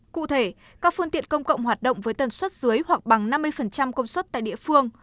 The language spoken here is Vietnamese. cụ thể các phương tiện công cộng hoạt động với tần suất dưới hoặc bằng năm mươi công suất tại địa phương